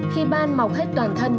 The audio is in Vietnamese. khi ban mọc hết toàn thân